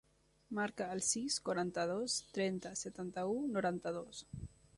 Marca el sis, quaranta-dos, trenta, setanta-u, noranta-dos.